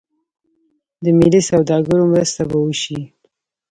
د ملي سوداګرو مرسته به وشي.